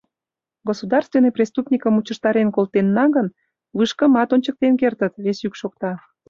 «Государственный преступникым мучыштарен колтенна гын, вышкымат ончыктен кертыт», — вес йӱк шокта.